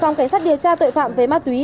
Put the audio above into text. phòng cảnh sát điều tra tội phạm về ma túy